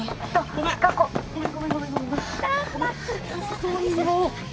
遅いよ！